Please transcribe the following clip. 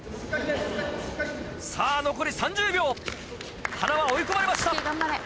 さぁ残り３０秒塙追い込まれました。